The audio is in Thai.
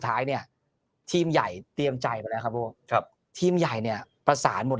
ท้ายเนี่ยทีมใหญ่เตรียมใจไปแล้วครับพวกครับทีมใหญ่เนี่ยประสานหมด